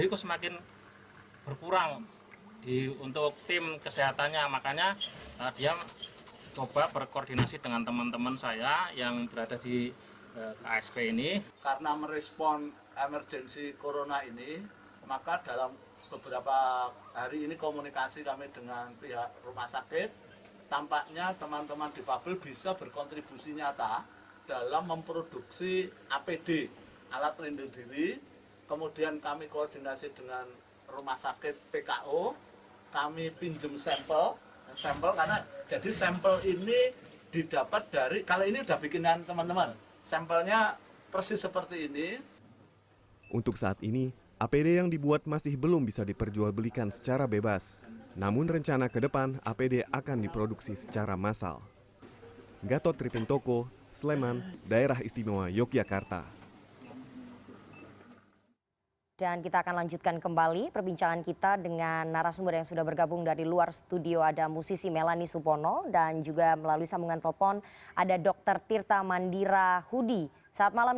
oke saya ke mbak melani terlebih dahulu saya akan lanjutkan nanti saya akan berbicara dengan anda ya dokter ya